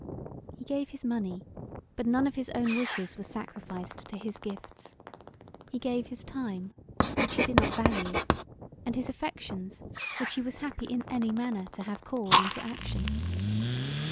He gave his money, but none of his own wishes were sacrifised to his gifts; he gave his time, which he did not value, and his affections which he was happy in any manner to have called into action.